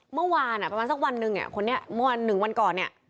เมื่อวานประมาณสักวันหนึ่งเนี่ยคนนี้เมื่อวันหนึ่งวันก่อนเนี่ย